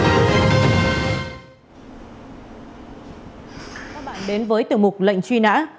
các bạn đến với tiểu mục lệnh truy nã